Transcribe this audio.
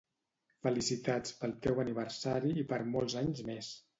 Felicitats pel teu aniversari i per molts anys més